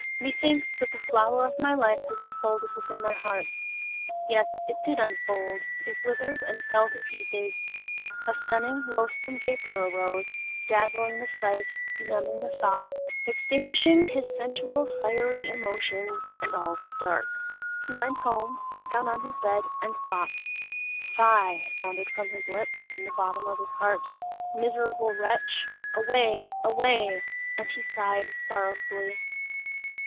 Methinks, that the flower of my life has unfolded within my heart!" Yes, it did unfold it withered and fell to pieces; a stunning, loathsome vapour arose, dazzling the sight, benumbing the thoughts, extinguishing his sensual, fiery emotions, and all was dark. He went home, sat down on his bed, and thought. "Fie!" sounded from his lips, from the bottom of his heart. "Miserable wretch! away! away!" and he sighed sorrowfully.